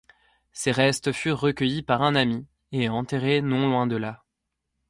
Ses restes furent recueillis par un ami et enterrés non loin de là.